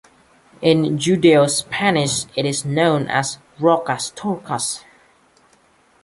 In Judaeo-Spanish it is known as "roskas turkas".